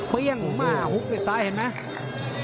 เปี้ยงขุม่ะหุบไปซ้ายเห็นไหม